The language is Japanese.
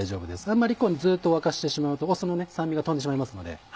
あんまりずっと沸かしてしまうと酢の酸味が飛んでしまいますので。